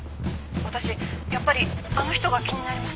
「私やっぱりあの人が気になります」